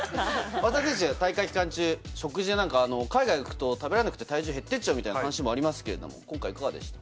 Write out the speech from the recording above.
松田選手、大会期間中、食事で何か海外行くと食べられなくて体重減ってっちゃうみたいな話もありますけれど、今回はいかがでしたか？